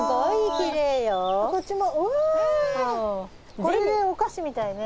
これでお菓子みたいね。